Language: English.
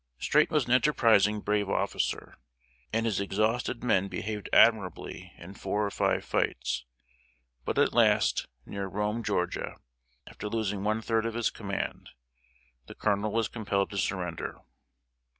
Streight was an enterprising, brave officer, and his exhausted men behaved admirably in four or five fights; but at last, near Rome, Georgia, after losing one third of his command, the colonel was compelled to surrender.